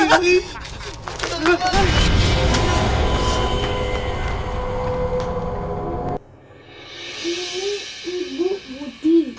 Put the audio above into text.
ini ibu budi